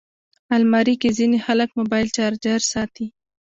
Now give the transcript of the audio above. الماري کې ځینې خلک موبایل چارجر ساتي